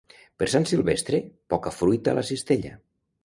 Per Sant Silvestre, poca fruita a la cistella.